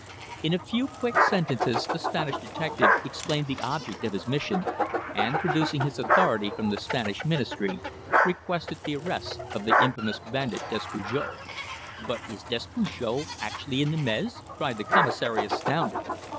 In a few quick sentences the Spanish detective explained the object of his mission, and producing his authority from the Spanish Ministry, requested the arrest of the infamous bandit Despujol. "But is Despujol actually in Nîmes?" cried the Commissary astounded.